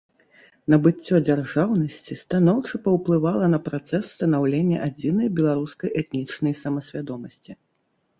Набыццё дзяржаўнасці станоўча паўплывала на працэс станаўлення адзінай беларускай этнічнай самасвядомасці.